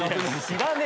知らねえよ。